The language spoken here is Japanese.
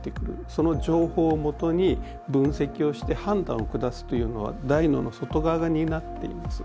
その情報をもとに分析をして判断を下すというのは大脳の外側が担っています。